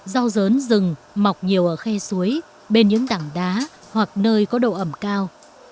rau dớn rừng mọc nhiều ở khe suối bên những đẳng đá hoặc nơi có độ ẩm cao